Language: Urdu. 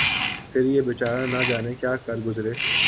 پھر یہ بے چارہ نہ جانے کیا کر گزرے